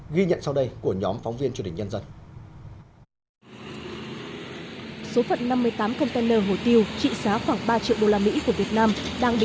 ghi nhận sau đây của nhóm phóng viên truyền hình nhân dân